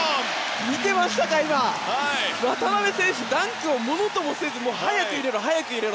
渡邊選手、ダンクをものともせず早く入れろと。